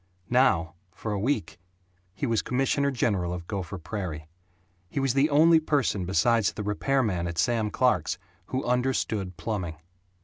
Now, for a week, he was commissioner general of Gopher Prairie. He was the only person besides the repairman at Sam Clark's who understood plumbing.